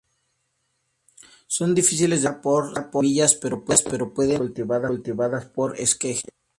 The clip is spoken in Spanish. Son difíciles de propagar por semillas pero pueden ser cultivadas por esquejes.